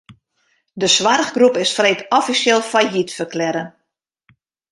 De soarchgroep is freed offisjeel fallyt ferklearre.